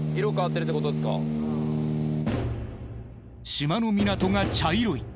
島の港が茶色い。